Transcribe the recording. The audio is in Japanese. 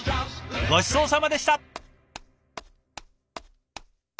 ごちそうさまでした！